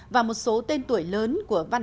và một số tên tuổi lớn